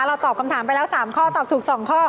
ตอบคำถามไปแล้ว๓ข้อตอบถูก๒ข้อ